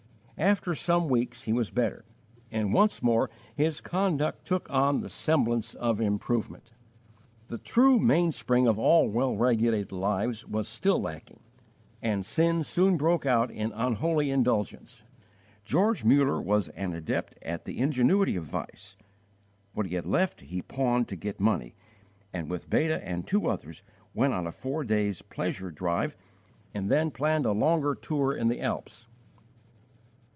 After some weeks he was better, and once more his conduct took on the semblance of improvement. The true mainspring of all well regulated lives was still lacking, and sin soon broke out in unholy indulgence. George Muller was an adept at the ingenuity of vice. What he had left he pawned to get money, and with Beta and two others went on a four days' pleasure drive, and then planned a longer tour in the Alps.